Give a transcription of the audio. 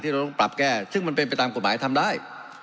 เราต้องปรับแก้ซึ่งมันเป็นไปตามกฎหมายทำได้